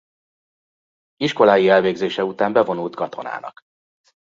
Iskolái elvégzése után bevonult katonának.